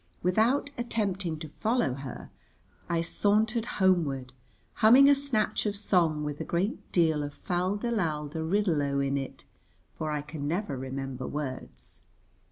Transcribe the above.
Without attempting to follow her, I sauntered homeward humming a snatch of song with a great deal of fal de lal de riddle o in it, for I can never remember words.